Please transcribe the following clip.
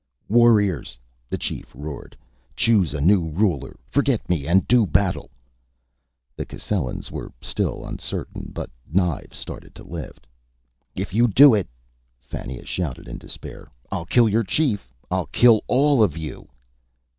"Warriors!" the chief roared. "Choose a new ruler. Forget me and do battle!" The Cascellans were still uncertain, but knives started to lift. "If you do it," Fannia shouted in despair, "I'll kill your chief. _I'll kill all of you!